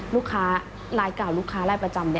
ลูกค้ารายเก่าลูกค้ารายประจำ